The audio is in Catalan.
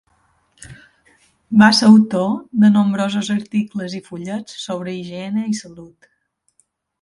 Va ser autor de nombrosos articles i fullets sobre higiene i salut.